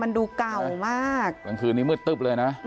มีแต่เสียงตุ๊กแก่กลางคืนไม่กล้าเข้าห้องน้ำด้วยซ้ำ